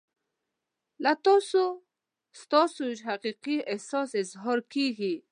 له تاسو ستاسو حقیقي احساس اظهار کیږي.